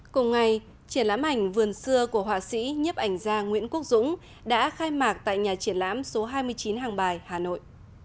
cùng ngày triển lãm ảnh vườn xưa của họa sĩ nhiếp ảnh gia nguyễn quốc dũng đã khai mạc tại nhà triển lãm số hai mươi chín hàng bài hà nội